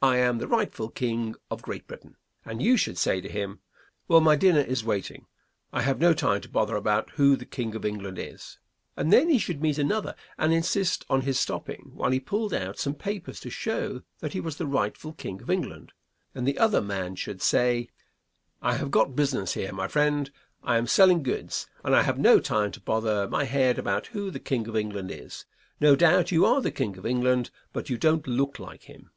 I am the rightful King of Great Britain," and you should say to him, "Well, my dinner is waiting; I have no time to bother about who the King of England is," and then he should meet another and insist on his stopping while the pulled out some papers to show that he was the rightful King of England, and the other man should say, "I have got business here, my friend; I am selling goods, and I have no time to bother my head about who the King of England is. No doubt you are the King of England, but you don't look like him."